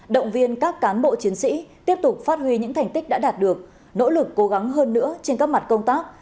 động viên các cán bộ chiến sĩ tiếp tục phát huy những thành tích đã đạt được nỗ lực cố gắng hơn nữa trên các mặt công tác